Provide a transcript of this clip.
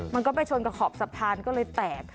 มันก็ไปชนกับขอบสะพานก็เลยแตก